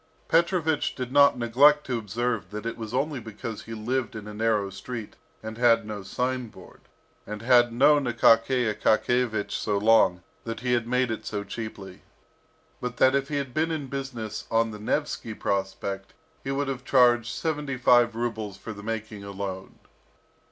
Petrovich did not neglect to observe that it was only because he lived in a narrow street, and had no signboard, and had known Akaky Akakiyevich so long, that he had made it so cheaply; but that if he had been in business on the Nevsky Prospect, he would have charged seventy five rubles for the making alone.